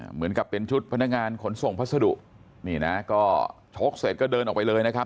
เหมือนกับเป็นชุดพนักงานขนส่งพัสดุนี่นะก็ชกเสร็จก็เดินออกไปเลยนะครับ